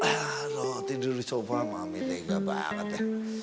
aduh tidur di sofa mami tinggal banget ya